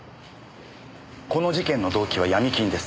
この事件の動機はヤミ金です。